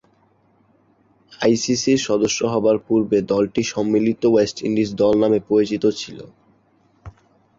আইসিসি’র সদস্য হবার পূর্বে দলটি সম্মিলিত ওয়েস্ট ইন্ডিজ দল নামে পরিচিত ছিল।